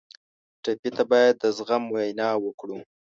ټپي ته باید د زغم وینا وکړو.